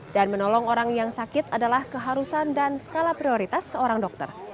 dan menolong orang yang sakit adalah keharusan dan skala prioritas seorang dokter